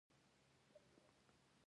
د اوبو کمښت د حاصل نقصان سبب کېږي.